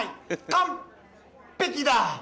完璧だ！